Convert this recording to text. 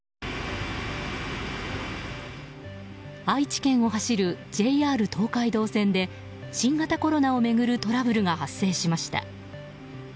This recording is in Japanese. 愛知県を走るＪＲ東海道線で新型コロナを巡るトラブルが発生しました。